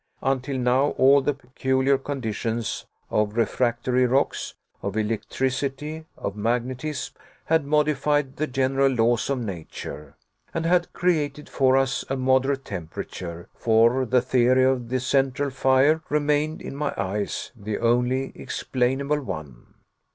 Until now, all the peculiar conditions of refractory rocks, of electricity, of magnetism, had modified the general laws of nature, and had created for us a moderate temperature; for the theory of the central fire, remained, in my eyes, the only explainable one.